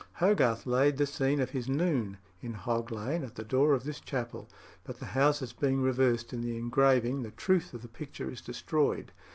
Hogarth laid the scene of his "Noon" in Hog Lane, at the door of this chapel; but the houses being reversed in the engraving, the truth of the picture is destroyed.